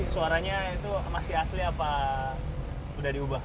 suaranya itu masih asli apa sudah diubah